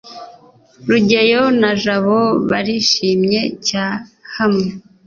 rugeyo na jabo barishimye cy hamwe